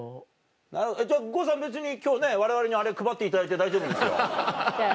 なるほどじゃあ郷さん別に今日われわれにあれ配っていただいて大丈夫ですよ。